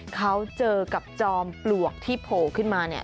เขาเจอกับจอมปลวกที่โผล่ขึ้นมาเนี่ย